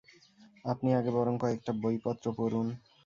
আপনি আগে বরং কয়েকটা বইপত্র পড়ুন।